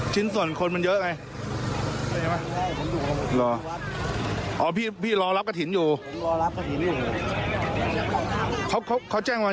เจอกันมาประมาณนั้น๕๖ปี